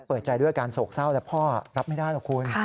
เปิดใจด้วยอาการโศกเศร้าและพ่อรับไม่ได้หรอกคุณ